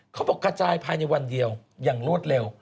กระจายภายในวันเดียวอย่างรวดเร็ว